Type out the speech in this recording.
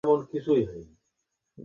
নিজেকে একা ভাববেন না।